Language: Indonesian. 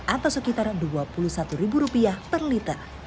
atau sekitar dua puluh satu ribu rupiah per liter